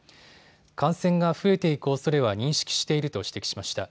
感染が増えていくおそれは認識していると指摘しました。